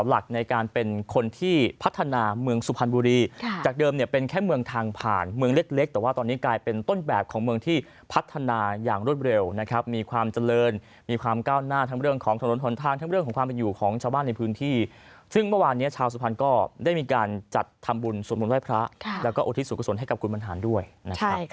เล็กตัวว่าตอนนี้กลายเป็นต้นแบบของเมืองที่พัฒนาอย่างรวดเร็วนะครับมีความเจริญมีความก้าวหน้าทั้งเรื่องของถนนทนทางของความอยู่ของชาวบ้านในพื้นที่ซึ่งเมื่อวานนี้ชาวสุภัณฑ์ก็ได้มีการจัดธรรมบุญส่วนวงไว้พระแล้วก็อาวุธิสูณ์กระสนให้กับคุณมณหาญด้วยใช่ครับ